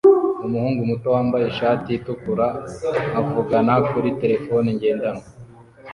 Umuhungu muto wambaye ishati itukura avugana kuri terefone ngendanwa